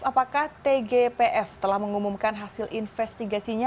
apakah tgpf telah mengumumkan hasil investigasinya